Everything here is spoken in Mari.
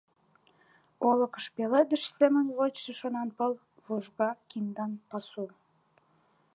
Олыкыш пеледыш семын вочшо шонанпыл, вужга киндан пасу.